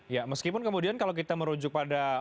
ya meskipun kemudian kalau kita merujuk pada